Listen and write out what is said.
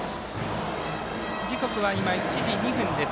時刻は１時２分です。